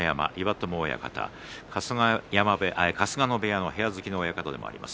友親方春日野部屋の部屋付きの親方でもあります。